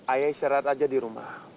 ayah isyarat aja di rumah